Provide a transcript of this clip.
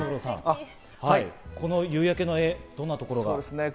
この夕焼けの絵、どんなところが？